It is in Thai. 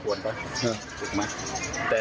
คุณผู้ชมคะ